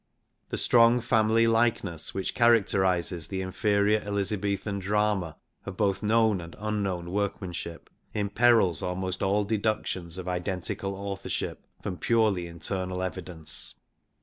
The strong family likeness which characterizes the inferior Elizabethan drama of both known and unknown workmanship imperils almost all deductions of identical authorship from purely internal evidence.